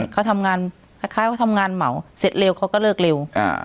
เขาทำงานคล้ายเขาทำงานเหมาเสร็จเร็วเขาก็เลิกเร็ว